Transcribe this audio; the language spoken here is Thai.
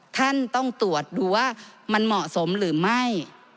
ท่านต้องตรวจดูว่ามันเหมาะสมหรือไม่